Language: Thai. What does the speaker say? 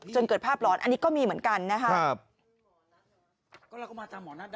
เกิดภาพหลอนอันนี้ก็มีเหมือนกันนะครับ